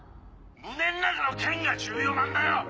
胸ん中の剣が重要なんだよ！